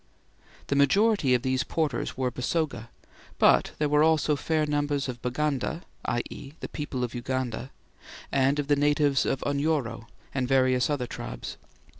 The majority of these porters were Basoga, but there were also fair numbers of Baganda (i.e. people of Uganda) and of the natives of Unyoro, and various other tribes.